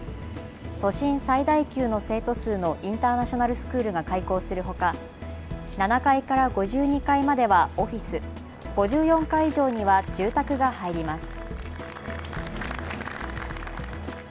都心最大級の生徒数のインターナショナルスクールが開校するほか７階から５２階まではオフィス、５４階以上には住宅が入ります。